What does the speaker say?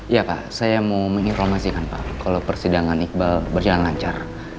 ya pak saya mau menginformasikan pak kalau persidangan iqbal berjalan lancar